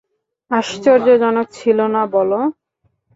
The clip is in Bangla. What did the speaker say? আশ্চর্যজনক ছিলো না বলো!